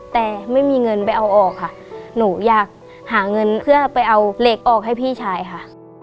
แต่ไม่มีเงินไปเอาออกค่ะหนูอยากหาเงินเพื่อไปเอาเหล็กออกให้พี่ชายค่ะ